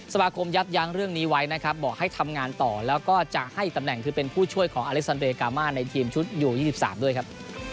สมาคมยับยั้งเรื่องนี้ไว้นะครับบอกให้ทำงานต่อแล้วก็จะให้ตำแหน่งคือเป็นผู้ช่วยของอเล็กซันเรยกามาในทีมชุดอยู่๒๓ด้วยครับ